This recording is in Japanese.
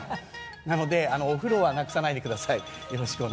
なので、お風呂はなくさないでください。